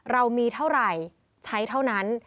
เรามีเท่าไหร่ใช้เท่านั้น